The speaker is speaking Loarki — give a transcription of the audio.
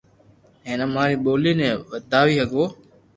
ھين اماري ٻولي ني وداوي ھگو